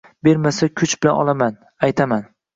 Bermasa, kuch bilan olaman… Aytaman